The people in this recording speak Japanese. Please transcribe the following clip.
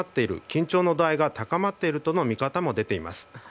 緊張の度合いが高まっているとの見方も出ています。